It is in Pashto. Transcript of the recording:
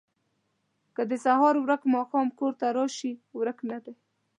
که د سهار ورک ماښام کور ته راشي، ورک نه دی.